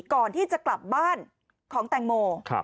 ก่อนที่จะกลับบ้านของแตงโม